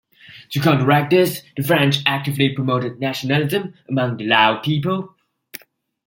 To counteract this, the French actively promoted nationalism among the Lao people.